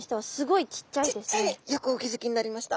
よくお気付きになりました。